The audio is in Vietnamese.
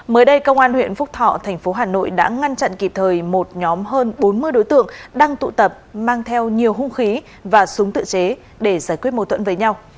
mới đây công an huyện phúc thọ thành phố hà nội đã ngăn chặn kịp thời một nhóm hơn bốn mươi đối tượng đang tụ tập mang theo nhiều hung khí và súng tự chế để giải quyết mâu thuẫn với nhau